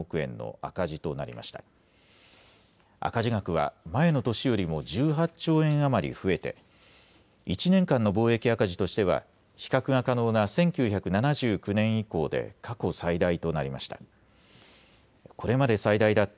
赤字額は前の年よりも１８兆円余り増えて１年間の貿易赤字としては比較が可能な１９７９年以降で過去最大となりました。